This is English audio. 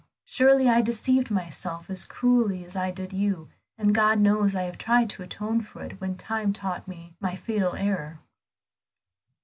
Surely I deceived myself as cruelly as I did you, and God knows I have tried to atone for it when time taught me my fatal error."